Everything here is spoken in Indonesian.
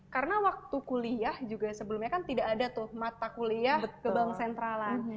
karena waktu kuliah juga sebelumnya kan tidak ada tuh mata kuliah ke bank sentralan